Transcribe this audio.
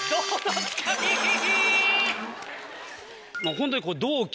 ホントに。